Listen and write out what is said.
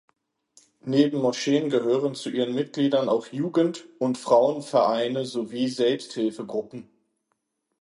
Neben Moscheen gehören zu ihren Mitgliedern auch Jugend- und Frauenvereine sowie Selbsthilfegruppen.